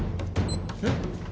えっ？